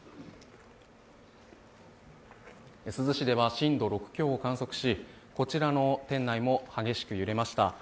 珠洲市では震度６強を観測し、こちらの店内も激しく揺れました。